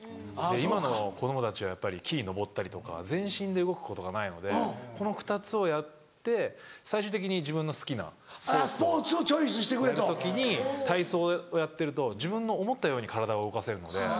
今の子供たちはやっぱり木に登ったりとか全身で動くことがないのでこの２つをやって最終的に自分の好きなスポーツをやる時に体操をやってると自分の思ったように体を動かせるので。